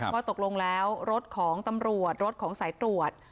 ว่าตกลงแล้วรถของตำรวจรถของสายตรวจ